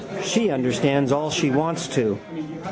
She understands all she wants to.